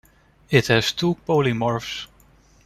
It has two polymorphs.